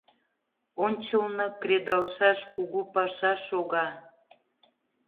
Ончылно кредалшаш кугу паша шога.